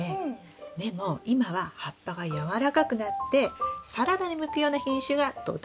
でも今は葉っぱが軟らかくなってサラダに向くような品種がとても人気なんです。